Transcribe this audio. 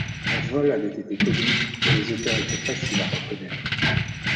Un vol avait été commis, et les auteurs étaient faciles à reconnaître.